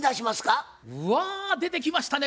うわ出てきましたね。